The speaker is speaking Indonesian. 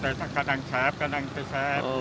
karena kadang kadang tersebut